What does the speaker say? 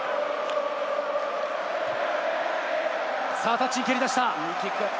タッチに蹴り出した。